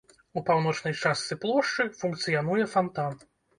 У паўночнай частцы плошчы функцыянуе фантан.